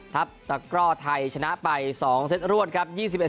ตะกร่อไทยชนะไป๒เซตรวดครับ